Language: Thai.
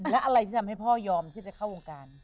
และอะไรที่ทำให้พ่อยอมที่จะเข้าวงการ